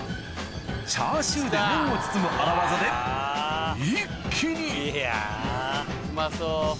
チャーシューで麺を包む荒業で一気にうまそう。